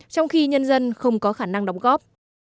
trong khi nhân dân không có khả năng đóng góp